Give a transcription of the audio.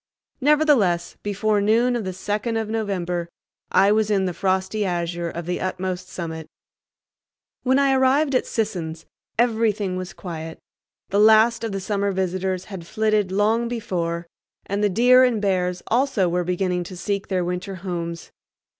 Nevertheless, before noon of the second of November I was in the frosty azure of the utmost summit. When I arrived at Sisson's everything was quiet. The last of the summer visitors had flitted long before, and the deer and bears also were beginning to seek their winter homes.